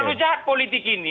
terlalu jahat politik ini